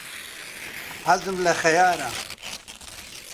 حەزم لە خەیارە.